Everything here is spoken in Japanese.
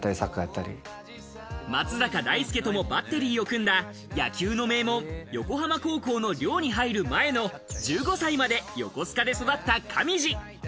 松坂大輔ともバッテリーを組んだ、野球の名門・横浜高校の寮に入る前の１５歳まで横須賀で育った上地。